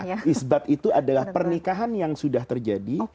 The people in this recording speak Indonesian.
karena isbat itu adalah pernikahan yang sudah terjadi